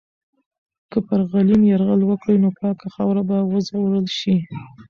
که پر غلیم یرغل وکړي، نو پاکه خاوره به وژغورل سي.